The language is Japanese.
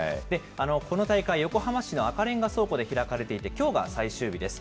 この大会、横浜市の赤レンガ倉庫で開かれていて、きょうが最終日です。